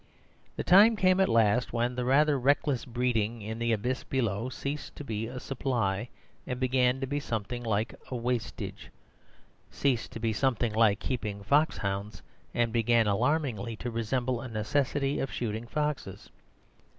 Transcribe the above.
The time came at last when the rather reckless breeding in the abyss below ceased to be a supply, and began to be something like a wastage; ceased to be something like keeping foxhounds, and began alarmingly to resemble a necessity of shooting foxes.